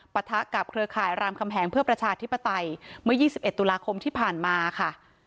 ปะทะกับเครือข่ายรามคำแหงเพื่อประชาธิปไตยเมื่อ๒๑ตุลาคมที่ผ่านมาค่ะ